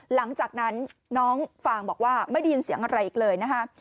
หลังจากนั้นน้องฟางบอกว่าไม่ได้ยินเสียงอะไรอีกเลยนะคะ